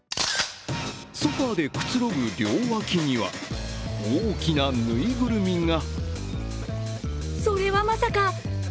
ソファーでくつろぐ両脇には大きなぬいぐるみが。